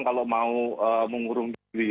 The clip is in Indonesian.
kalau mau mengurung diri